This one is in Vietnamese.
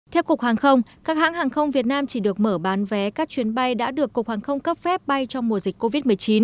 theo cục hàng không các hãng hàng không việt nam chỉ được mở bán vé các chuyến bay đã được cục hàng không cấp phép bay trong mùa dịch covid một mươi chín